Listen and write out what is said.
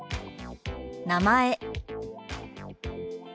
「名前」。